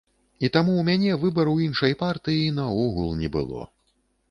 І таму ў мяне выбару іншай партыі наогул не было.